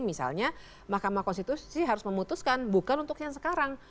misalnya mahkamah konstitusi harus memutuskan bukan untuk yang sekarang